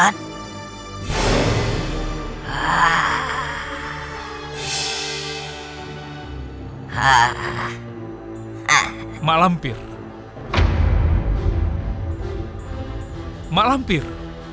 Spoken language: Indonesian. semoga dia tidak kadir